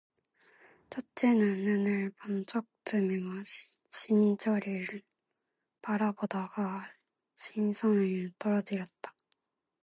첫째는 눈을 번쩍 뜨며 신철이를 바라보다가 시선을 떨어뜨렸다.